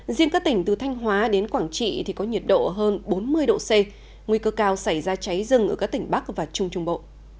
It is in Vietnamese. riêng các tỉnh từ thanh hóa đến quảng trị thì có nhiệt độ hơn bốn mươi độ c nguy cơ cao xảy ra cháy rừng ở các tỉnh bắc và trung trung bộ